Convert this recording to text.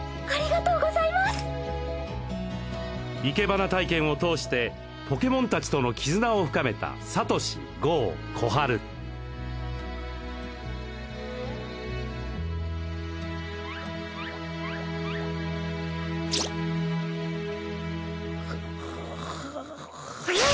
生け花体験を通してポケモンたちとの絆を深めたサトシゴウコハルカ。